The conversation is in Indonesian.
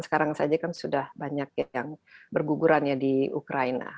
sekarang saja kan sudah banyak yang berguguran ya di ukraina